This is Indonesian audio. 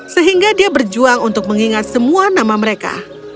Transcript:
sehingga dia berjuang untuk mengingat semua nama mereka